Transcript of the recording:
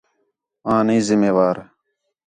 آں نہیں ذِمّہ وار